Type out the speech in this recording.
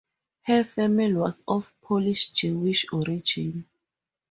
Her family was of Polish Jewish origin.